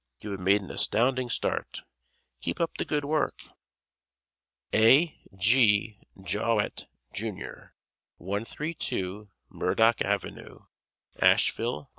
You have made an astounding start. Keep up the good work. A. G. Jaweett, Jr., 132 Murdock Avenue, Asheville, N.C.